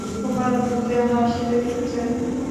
তোমার মুখে হাসি দেখতে চাই।